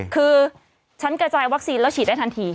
คือฉันกระจายวัคซีนแล้วฉีดได้ทันที